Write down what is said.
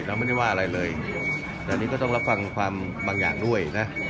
เราไม่ได้ว่าอะไรเลยแต่นี่ก็ต้องรับฟังความบางอย่างด้วยนะ